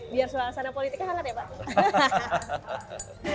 biar suasana politiknya hangat ya pak